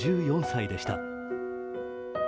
５４歳でした。